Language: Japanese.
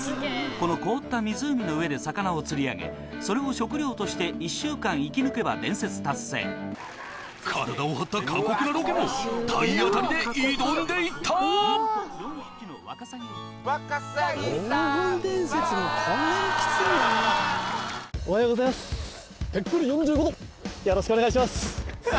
この凍った湖の上で魚を釣り上げそれを食料として１週間生き抜けば伝説達成体を張った過酷なロケも体当たりで挑んでいったおはようございますぺっこり４５度よろしくお願いします